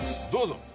どうぞ。